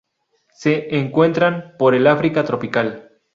Se encuentran por el África tropical.